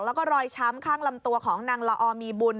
แล้วก็รอยช้ำข้างลำตัวของนางละออมีบุญ